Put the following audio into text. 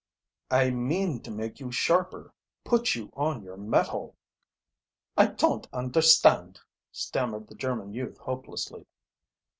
"I mean to make you sharper put you on your mettle." "I ton't understand," stammered the German youth hopelessly.